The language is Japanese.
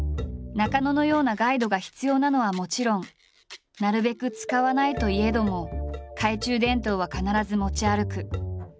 中野のようなガイドが必要なのはもちろんなるべく使わないといえども懐中電灯は必ず持ち歩く。